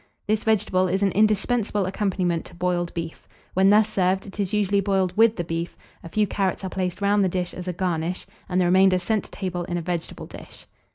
This vegetable is an indispensable accompaniment to boiled beef. When thus served, it is usually boiled with the beef; a few carrots are placed round the dish as a garnish, and the remainder sent to table in a vegetable dish.